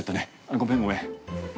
ごめん、ごめん。